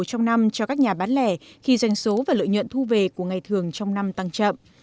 trong năm cho các nhà bán lẻ khi doanh số và lợi nhuận thu về của ngày thường trong năm tăng chậm